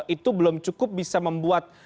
itu belum cukup bisa membuat